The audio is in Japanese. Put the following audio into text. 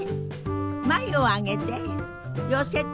眉を上げて寄せて。